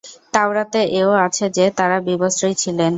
তাওরাতে এও আছে যে, তারা বিবস্ত্রই ছিলেন।